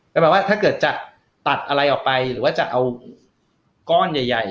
แต่แบบว่าถ้าเกิดจะตัดอะไรออกไปหรือว่าจะเอาก้อนใหญ่